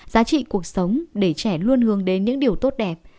giá trị cuộc sống để trẻ luôn hướng đến những điều tốt đẹp